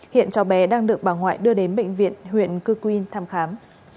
hiện cháu bé đang được bà ngoại đưa đến bệnh viện huyện cư quyên thăm khám